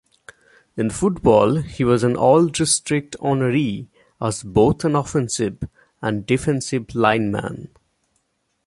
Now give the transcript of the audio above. In football, he was an All-District honoree as both an offensive and defensive lineman.